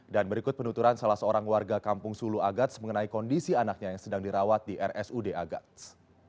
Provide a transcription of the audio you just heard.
dan berikut penuturan salah seorang warga kampung sulu agats mengenai kondisi anaknya yang sedang dirawat di rsud agats